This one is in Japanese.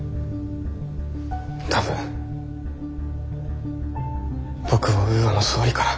多分僕をウーアの総理から。